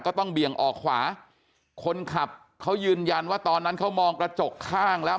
เบี่ยงออกขวาคนขับเขายืนยันว่าตอนนั้นเขามองกระจกข้างแล้ว